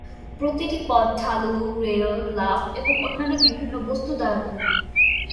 প্রতিটি পথ ঢালু, রেল, লাফ এবং অন্যান্য বিভিন্ন বস্তু দ্বারা পূর্ণ।